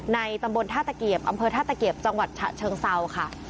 ตำบลท่าตะเกียบอำเภอท่าตะเกียบจังหวัดฉะเชิงเซาค่ะ